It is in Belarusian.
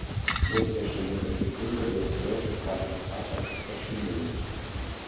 Вось яшчэ некалькі прыкладаў спрэчак адваката з старшынёй.